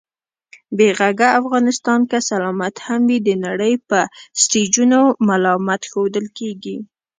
بې غږه افغانستان که سلامت هم وي، د نړۍ په سټېجونو ملامت ښودل کېږي